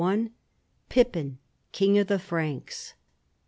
PIPPIN, KINO OF THE FKANKS.